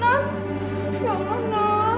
ya allah nun